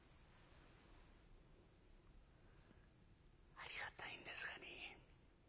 「ありがたいんですがね。